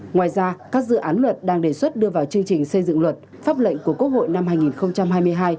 ngoài ra các dự án luật đang đề xuất đưa vào chương trình xây dựng luật pháp lệnh của quốc hội năm hai nghìn hai mươi hai